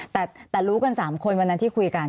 แต่รู้กัน๓คนวันนั้นที่คุยกัน